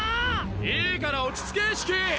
いいから落ち着けシキ！